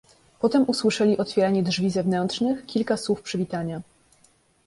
"Potem usłyszeli otwieranie drzwi zewnętrznych, kilka słów przywitania."